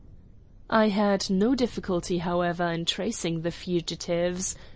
I had no difficulty, however, in tracing the fugitives.